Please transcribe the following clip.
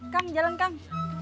kang jalan kang